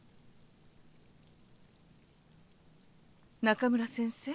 中村先生